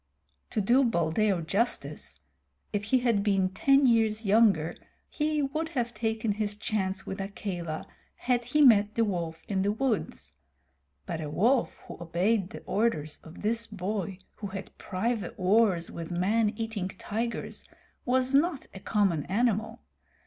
To do Buldeo justice, if he had been ten years younger he would have taken his chance with Akela had he met the wolf in the woods, but a wolf who obeyed the orders of this boy who had private wars with man eating tigers was not a common animal.